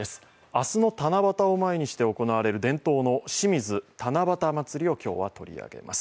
明日の七夕の前にして行われる伝統の清水七夕まつりを今日は取り上げます。